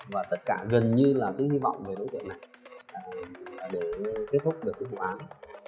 và tất cả gần như là cái hy vọng về đối tượng này để kết thúc được cái vụ án